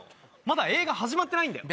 まだ映画始まってないんだよ